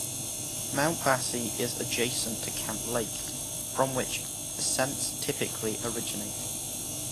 Mount Bassie is adjacent to Camp Lake, from which ascents typically originate.